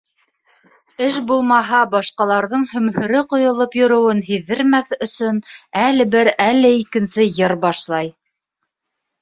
Эш булмаһа, башҡаларҙың һөмһөрө ҡойолоп йөрөүен һиҙҙермәҫ өсөн әле бер, әле икенсе йыр башлай.